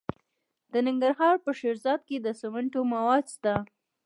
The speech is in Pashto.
د ننګرهار په شیرزاد کې د سمنټو مواد شته.